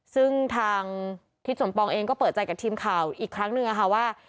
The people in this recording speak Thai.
ซึ่งทางทิศสมปองเองก็เปิดใจกับทีมข่าวอีกครั้งหนึ่งค่ะว่า